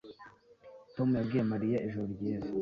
Tom yabwiye Mariya ijoro ryiza